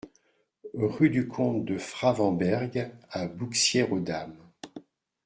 Rue du Comte de Frawenberg à Bouxières-aux-Dames